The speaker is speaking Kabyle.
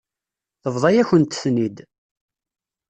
Tebḍa-yakent-ten-id.